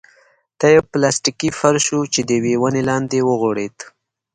دا يو پلاستيکي فرش و چې د يوې ونې لاندې وغوړېد.